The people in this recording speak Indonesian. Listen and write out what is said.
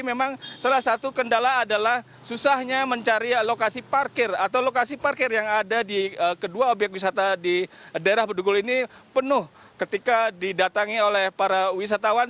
memang salah satu kendala adalah susahnya mencari lokasi parkir atau lokasi parkir yang ada di kedua obyek wisata di daerah bedugul ini penuh ketika didatangi oleh para wisatawan